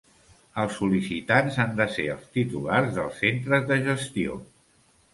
Els sol·licitants han de ser els titulars dels centres de gestió.